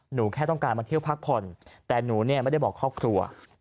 หนูแค่ต้องการมาเที่ยวพักผ่อนแต่หนูเนี่ยไม่ได้บอกครอบครัว